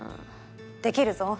できるぞ。